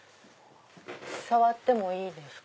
触ってもいいですか？